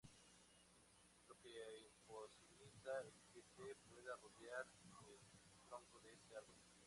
Lo que imposibilita el que se pueda rodear el tronco de este árbol.